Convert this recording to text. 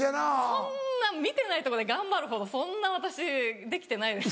そんな見てないとこで頑張るほどそんな私できてないです。